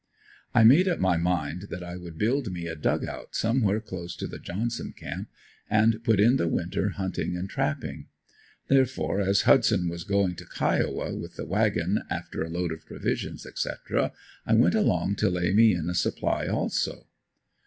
I made up my mind that I would build me a "dug out" somewhere close to the Johnson camp and put in the winter hunting and trapping. Therefore as Hudson was going to Kiowa, with the wagon, after a load of provisions, etc., I went along to lay me in a supply also.